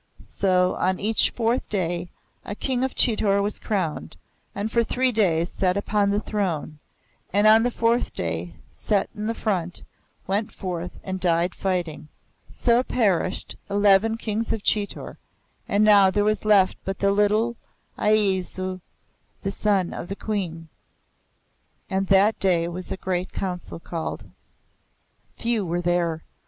So on each fourth day a King of Chitor was crowned, and for three days sat upon the throne, and on the fourth day, set in the front, went forth and died fighting. So perished eleven Kings of Chitor, and now there was left but the little Ajeysi, the son of the Queen. And that day was a great Council called. Few were there.